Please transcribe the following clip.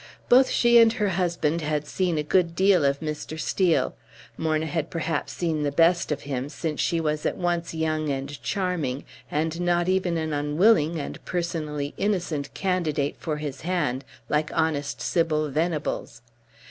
Both she and her husband had seen a good deal of Mr. Steel. Morna had perhaps seen the best of him, since she was at once young and charming, and not even an unwilling and personally innocent candidate for his hand, like honest Sybil Venables.